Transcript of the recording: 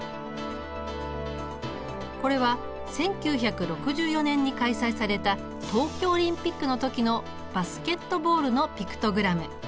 これは１９６４年に開催された東京オリンピックの時のバスケットボールのピクトグラム。